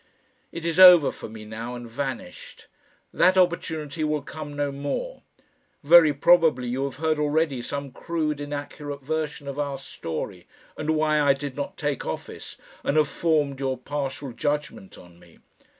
It is over for me now and vanished. That opportunity will come no more. Very probably you have heard already some crude inaccurate version of our story and why I did not take office, and have formed your partial judgement on me.